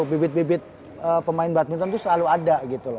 bibit bibit pemain badminton itu selalu ada gitu loh